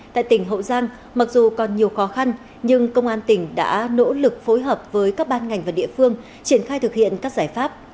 tại tỉnh hậu giang mặc dù còn nhiều khó khăn nhưng công an tỉnh đã nỗ lực phối hợp với các ban ngành và địa phương triển khai thực hiện các giải pháp